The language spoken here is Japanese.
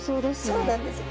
そうなんです。